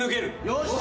よし！